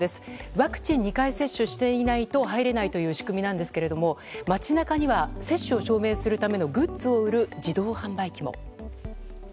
ワクチン接種２回接種していないと入れないという仕組みなんですが街中には接種を証明するためのグッズを売る自動販売機も。